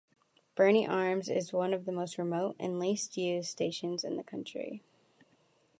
Berney Arms is one of the most remote and least-used stations in the country.